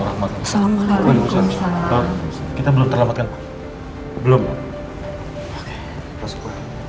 assalamualaikum warahmatullah wabarakatuh kita belum terlambatkan belum masuk